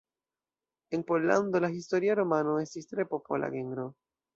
En Pollando la historia romano estis tre popola genro.